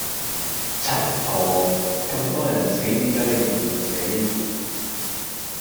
柒婆！咁多人死點解你仲未死